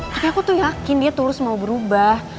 tapi aku tuh yakin dia tulus mau berubah